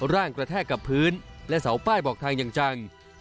ร่างกระแทกกับพื้นและเสาป้ายบอกทางอย่างจัง